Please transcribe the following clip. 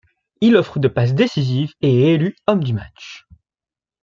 Il offre deux passes décisives et est élu homme du match.